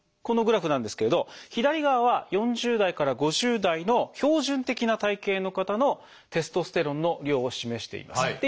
このグラフなんですけれど左側は４０代から５０代の標準的な体型の方のテストステロンの量を示しています。